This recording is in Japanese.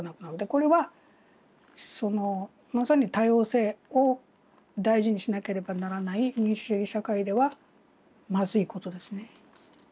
これはまさに多様性を大事にしなければならない民主主義社会ではまずいことですね。